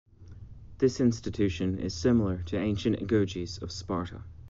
This institution is similar to ancient agoges of Sparta.